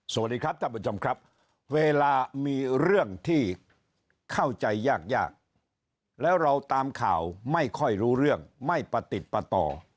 สวัสดีครับท่านผู้ชมครับเวลามีเรื่องที่เข้าใจยากยากแล้วเราตามข่าวไม่ค่อยรู้เรื่องไม่ประติดประต่อ